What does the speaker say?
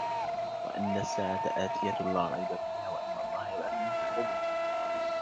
وأن الساعة آتية لا ريب فيها وأن الله يبعث من في القبور